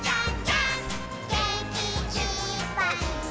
「げんきいっぱいもっと」